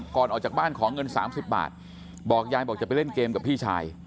ก่อนออกจากบ้านขอเงิน๓๐บาทบอกยายบอกจะไปเล่นเกมกับพี่ชาย